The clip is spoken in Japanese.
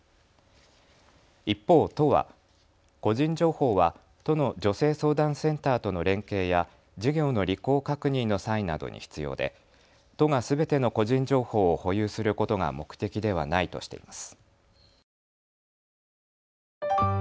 一方、都は個人情報は都の女性相談センターとの連携や事業の履行確認の際などに必要で都がすべての個人情報を保有することが目的ではないとしています。